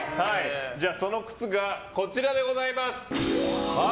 その靴が、こちらでございます！